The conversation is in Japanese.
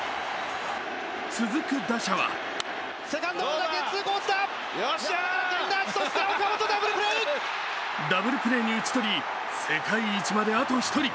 続く打者はダブルプレーに打ち取り世界一まであと１人。